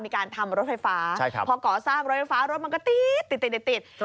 มีการทำรถไฟฟ้าพอก่อสร้างรถไฟฟ้ารถมันก็ติดติด